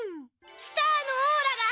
スターのオーラが。